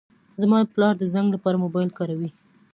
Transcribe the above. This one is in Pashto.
زما پلار د زنګ لپاره موبایل کاروي.